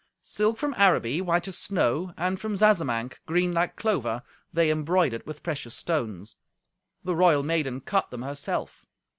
Silk from Araby, white as snow, and from Zazamanc, green like clover, they embroidered with precious stones. The royal maiden cut them herself.